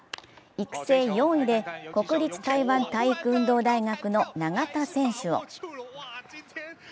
育成４位で国立台湾体育運動大学の永田選手を。